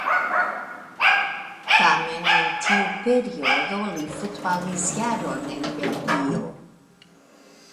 Tamen en tiu periodo li futbalis jaron en Belgio.